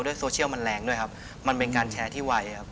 โซเชียลมันแรงด้วยครับมันเป็นการแชร์ที่ไวครับ